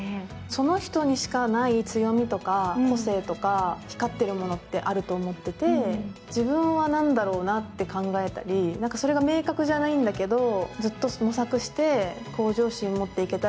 その人にしかない強みとか個性とか、光っているものがあると思ってて、自分は何だろうなって考えたり、それが明確じゃないんだけれども。